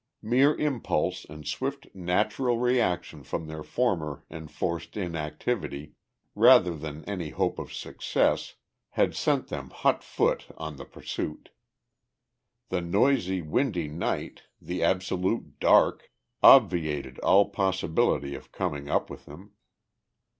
Mere impulse and swift natural reaction from their former enforced inactivity rather than any hope of success had sent them hot foot on the pursuit. The noisy, windy night, the absolute dark, obviated all possibility of coming up with him.